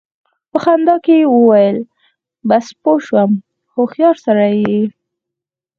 په خندا کې يې وويل: بس! پوه شوم، هوښيار سړی يې!